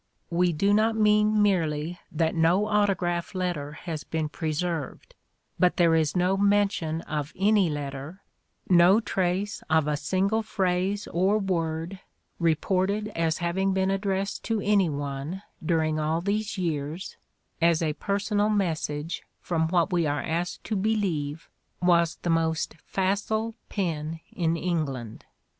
We do not mean merely that no autograph letter has been preserved, but there is no mention of any letter, no trace of a single phrase or word reported as having been addressed to any one during all these years, as a personal message from what we are asked to believe was the most facile pen in England.